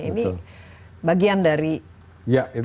ini bagian dari budaya itu